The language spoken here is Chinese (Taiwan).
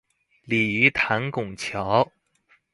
鯉魚潭拱橋